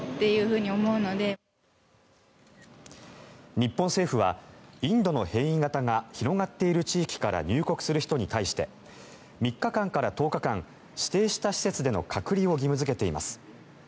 日本政府はインドの変異型が広がっている地域から入国する人に対して３日間から１０日間指定した施設での隔離を義務付けています。